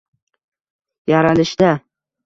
Yaralishda